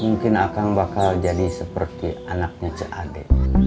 mungkin akang bakal jadi seperti anaknya ceade